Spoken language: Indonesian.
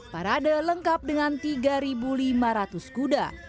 parade lengkap dengan tiga lima ratus kuda